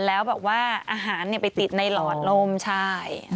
แล้วแบบว่าอาหารไปติดในหลอดลมใช่